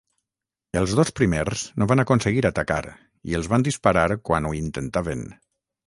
Els dos primers no van aconseguir atacar i els van disparar quan ho intentaven.